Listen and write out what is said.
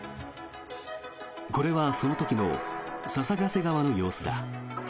これはその時の笹ヶ瀬川の様子だ。